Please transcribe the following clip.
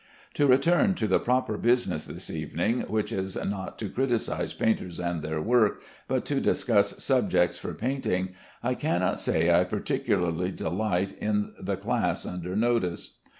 To return to the proper business this evening, which is not to criticise painters and their work, but to discuss subjects for painting, I cannot say I particularly delight in the class under notice.